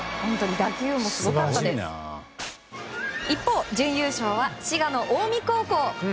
一方、準優勝は滋賀の近江高校。